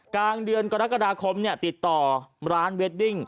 กลางเดือนกรกฎาคมติดต่อร้านเวดดิ้ง